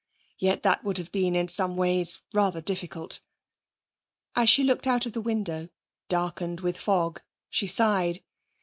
Yet that would have been in some ways rather difficult. As she looked out of the window, darkened with fog, she sighed.